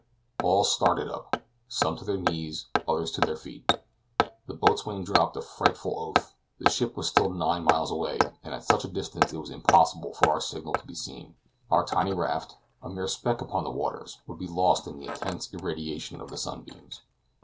All started up some to their knees, others to their feet. The boatswain dropped a frightful oath. The ship was still nine miles away, and at such a distance it was impossible for our signal to be seen; our tiny raft, a mere speck upon the waters, would be lost in the intense irradiation of the sunbeams.